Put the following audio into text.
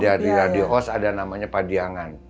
di dari radio os ada namanya padiangan